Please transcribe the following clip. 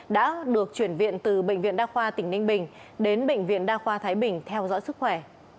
đã được chuyển viện từ bệnh viện đa khoa tỉnh ninh bình đến bệnh viện đa khoa thái bình theo dõi sức khỏe